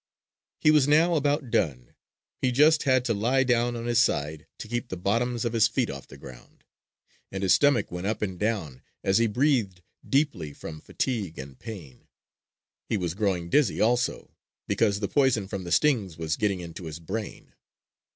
He was now about done. He just had to lie down on his side to keep the bottoms of his feet off the ground; and his stomach went up and down as he breathed deeply from fatigue and pain. He was growing dizzy, also, because the poison from the stings was getting into his brain.